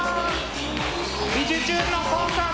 「びじゅチューン！」のコンサート